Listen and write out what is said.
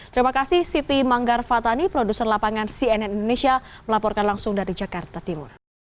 terima kasih siti manggar fatani produser lapangan cnn indonesia melaporkan langsung dari jakarta timur